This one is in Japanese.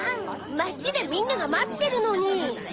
まちでみんながまってるのに。